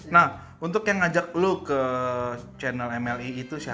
nah untuk yang ngajak lu ke channel mli itu siapa